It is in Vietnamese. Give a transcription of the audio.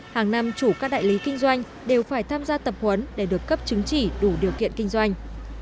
hàng năm chủ các đại lý kinh doanh đều phải tham gia tập huấn để được cấp chứng chỉ đủ điều kiện kinh doanh